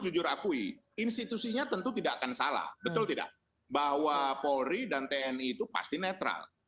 jujur akui institusinya tentu tidak akan salah betul tidak bahwa polri dan tni itu pasti netral